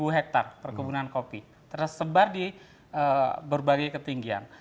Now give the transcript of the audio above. sembilan puluh enam hektar perkebunan kopi tersebar di berbagai ketinggian